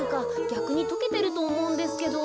ぎゃくにとけてるとおもうんですけど。